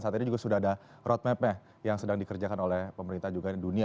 saat ini juga sudah ada roadmapnya yang sedang dikerjakan oleh pemerintah juga di dunia